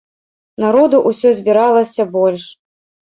Народу ўсё збіралася больш.